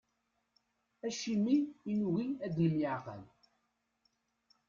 Acimi i nugi ad nemyeεqal?